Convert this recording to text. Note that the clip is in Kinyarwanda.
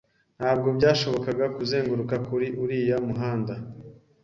Ntabwo byashobokaga kuzenguruka kuri uriya muhanda.